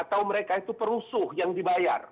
atau mereka itu perusuh yang dibayar